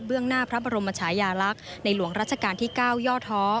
หน้าพระบรมชายาลักษณ์ในหลวงรัชกาลที่๙ย่อท้อ